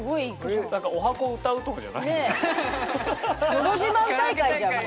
のど自慢大会じゃんもう。